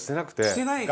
してないか。